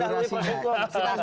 jangan menaruh di prasukup